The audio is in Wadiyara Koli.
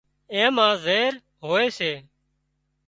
اين مان زهر هوئي سي